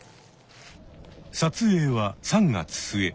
撮影は３月末。